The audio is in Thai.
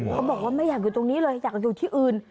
เขาบอกว่าไม่อยากอยู่ตรงนี้เลยอยากอยู่ที่อื่น